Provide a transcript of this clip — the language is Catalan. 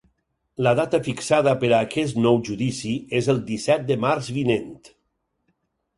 La data fixada per a aquest nou judici és el disset de març vinent.